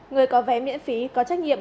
người có vé miễn phí có trách nhiệm